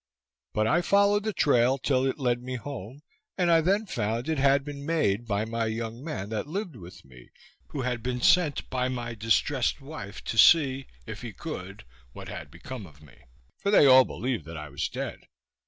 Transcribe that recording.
But I followed the trail till it led me home, and I then found it had been made by my young man that lived with me, who had been sent by my distressed wife to see, if he could, what had become of me, for they all believed that I was dead.